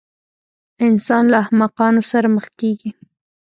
انسان له احمقانو سره مخ کېږي.